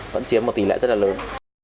vẫn chiếm một tỷ lệ rất là lớn